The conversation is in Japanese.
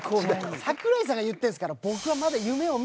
桜井さんが言ってるから。